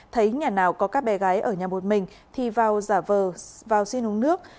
thấy nhà nào có các bé gái ở nhà một mình thì vào giả vờ vào xin uống nước